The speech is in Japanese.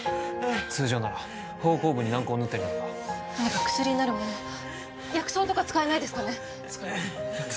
通常なら縫合部に軟膏を塗ったりだとか何か薬になるもの薬草とか使えないですかね？